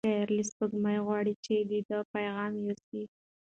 شاعر له سپوږمۍ غواړي چې د ده پیغام یوسي.